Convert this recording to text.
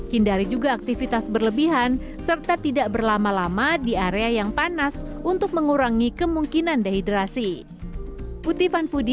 hindari juga aktivitas berlebihan serta tidak berlama lama di area yang panas untuk mengurangi kemungkinan dehidrasi